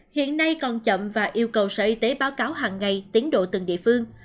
hiện nay còn chậm và yêu cầu sở y tế báo cáo hàng ngày tiến độ từng địa phương